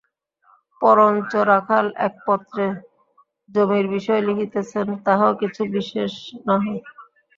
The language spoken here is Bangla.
পরঞ্চ রাখাল এক পত্রে জমির বিষয় লিখিতেছেন, তাহাও কিছু বিশেষ নহে।